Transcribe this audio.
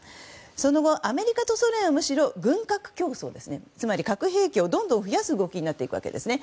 その後、アメリカとソ連はむしろ軍拡競争つまり核兵器をどんどん増やす動きになってしまうんです。